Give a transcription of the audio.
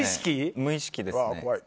無意識ですね。